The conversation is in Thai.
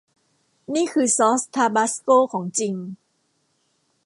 นี่คือซอสทาบาสโก้ของจริง